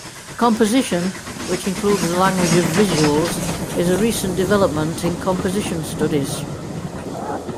Composition, which includes the language of visuals is a recent development in composition studies.